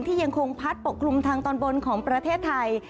ยังคงพัดปกคลุมทางตอนบนของประเทศไทย